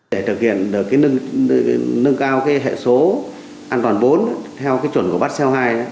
để thực hiện được cái nâng cao cái hệ số an toàn vốn theo cái chuẩn của bắt xeo hai